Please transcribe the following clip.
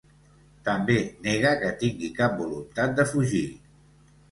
També nega que tingui cap voluntat de fugir.